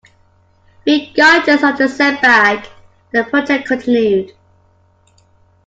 Regardless of the setback, the project continued.